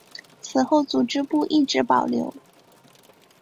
此后组织部一直保留。